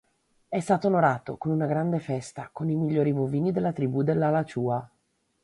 È stato onorato con una grande festa con i migliori bovini della tribù dell'Alachua.